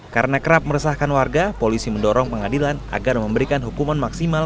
karena kerap meresahkan warga polisi mendorong pengadilan agar memberikan hukuman maksimal